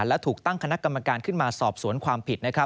และถูกตั้งคณะกรรมการขึ้นมาสอบสวนความผิด